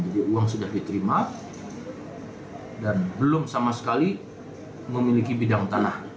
jadi uang sudah diterima dan belum sama sekali memiliki bidang tanah